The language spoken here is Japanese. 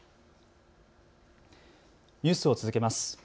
ニュースを続けます。